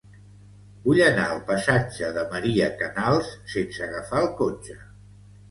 Vull anar al passatge de Maria Canals sense agafar el cotxe.